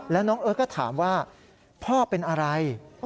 แล้วน้องเอิร์ทก็ถามว่าพ่อเป็นอะไร